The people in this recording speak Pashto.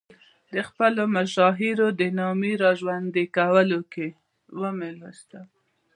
د خپلو مشاهیرو د نامې را ژوندي کولو کې.